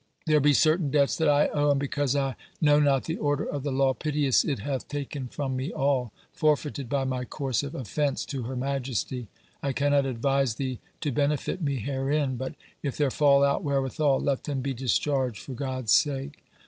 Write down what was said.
There be certain debts that I owe, and because I know not the order of the lawe, piteous it hath taken from me all, forfeited by my course of offence to her majestie, I cannot aduise thee to benefit me herein, but if there fall out wherewithal, let them be discharged for God's sake.